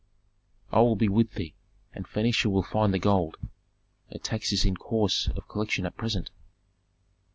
"I will be with thee, and Phœnicia will find the gold. A tax is in course of collection at present."